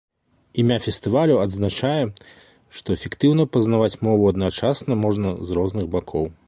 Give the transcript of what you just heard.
Імя фестывалю адзначае, что эфектыўна пазнаваць мову адначасна можна з розных бакоў.